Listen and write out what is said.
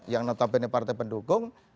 yang notabene partai pendukung